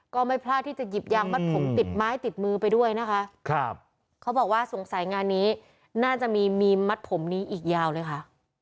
ก็ไม่พลาดที่จะหยิบยางมัดผมติดไม้ติดมือไปด้วยนะคะครับเขาบอกว่าสงสัยงานนี้น่าจะมีมีมัดผมนี้อีกยาวเลยค่ะ